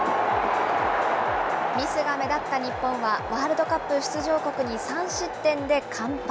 ミスが目立った日本は、ワールドカップ出場国に３失点で完敗。